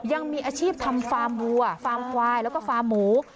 ยังมีอาชีพทำควายแล้วก็ควายหมู